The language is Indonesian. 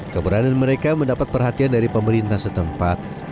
keberadaan mereka mendapat perhatian dari pemerintah setempat